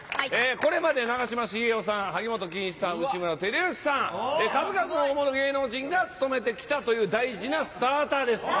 これまで長嶋茂雄さん、萩本欽一さん、内村光良さん、数々の大物芸能人が務めてきた大事なスターターです。